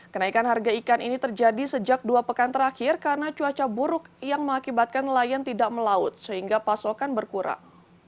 kenaikan harga ikan ini terjadi sejak dua pekan terakhir karena cuaca buruk yang mengakibatkan nelayan tidak melaut sehingga pasokan berkurang